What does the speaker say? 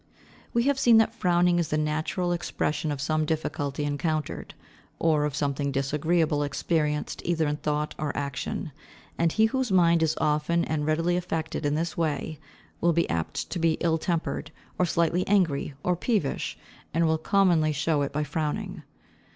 —We have seen that frowning is the natural expression of some difficulty encountered, or of something disagreeable experienced either in thought or action, and he whose mind is often and readily affected in this way, will be apt to be ill tempered, or slightly angry, or peevish, and will commonly show it by frowning.